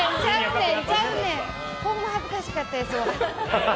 ほんま恥ずかしかったです。